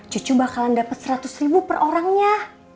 cucu bakalan dapat seratus ribu per orangnya